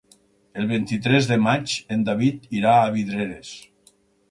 El vint-i-tres de maig en David irà a Vidreres.